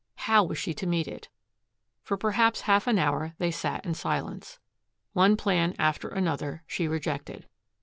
How was she to meet it? For perhaps half an hour they sat in silence. One plan after another she rejected.